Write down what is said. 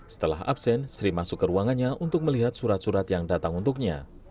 setelah absen sri masuk ke ruangannya untuk melihat surat surat yang datang untuknya